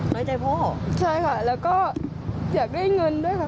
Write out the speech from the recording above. น้อยใจพ่อใช่ค่ะแล้วก็อยากได้เงินด้วยค่ะ